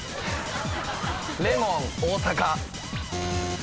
レモン大阪。